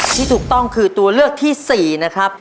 ที่ถูกต้องคือตัวเลือกที่๔นะครับ